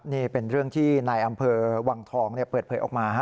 นี่เป็นเรื่องที่นายอำเภอวังทองเปิดเผยออกมา